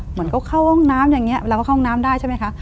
เหมือนก็เข้าห้องน้ำอย่างนี้เราก็เข้าห้องน้ำได้ใช่ไหมคะ